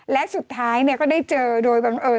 และสุดท้ายก็ได้เจอโดยบังเอิญ